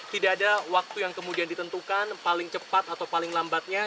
tidak ada waktu yang kemudian ditentukan paling cepat atau paling lambatnya